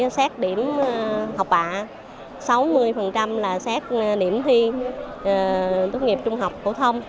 trong đó là bốn mươi xét điểm học bạ sáu mươi xét điểm thi tốt nghiệp trung học cổ thông